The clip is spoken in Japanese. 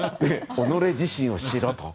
己自身を知ろと。